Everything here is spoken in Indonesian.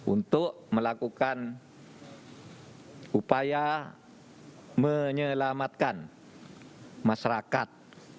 untuk melakukan upaya menyelamatkan masyarakat